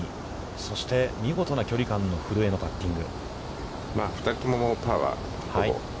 そして、見事な距離感の古江のパッティング。